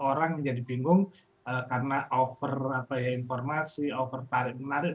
orang menjadi bingung karena over informasi over tarik menarik